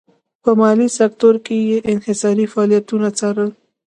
په مالي سکتور کې یې انحصاري فعالیتونه څارل.